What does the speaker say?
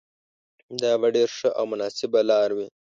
دا به ډېره ښه او مناسبه لاره وي.